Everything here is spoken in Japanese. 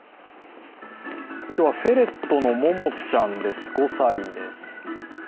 今日はフェレットのももちゃん、５歳です。